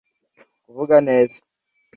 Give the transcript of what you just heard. Kuvuga neza